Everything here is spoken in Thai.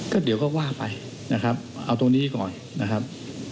ก็เดี๋ยวก็ว่าไปนะครับเอาตรงนี้ก่อนนะครับ